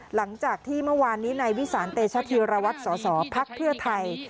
หลังจากที่เมื่อวานนี้ในวิสานเตชธิรวรรษสสพไทย